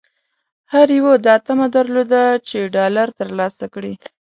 هر یوه دا طمعه درلوده چې ډالر ترلاسه کړي.